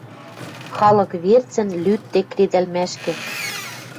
Халык верцӹн лӱдде кредӓлмӓшкӹ